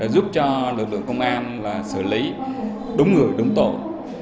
giúp cho lực lượng công an xử lý đúng người đúng tội